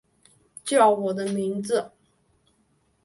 叫我的名字